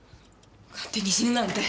勝手に死ぬなんて。